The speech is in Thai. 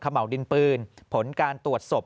ขม่าวดินปืนผลการตรวจสบ